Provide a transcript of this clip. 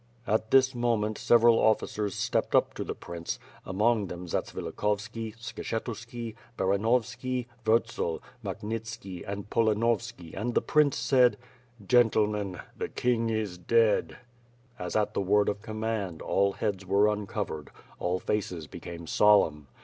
At this moment several officers stepped up to the prince, among them Zatsvilikhovski, Skshetuski, Baranovski, Wurt zel, Maknitski and Polanovski and the prince said: "Gentlemen, the king is dead!" As at the word of command, all heads were uncovered, all faces became solemn.